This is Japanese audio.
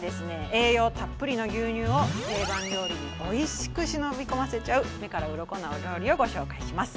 栄養たっぷりの牛乳を定番料理においしく忍び込ませちゃう目からウロコなお料理をご紹介します。